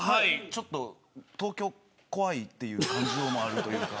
ちょっと東京怖いという感情もあるというか。